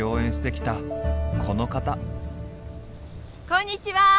こんにちは！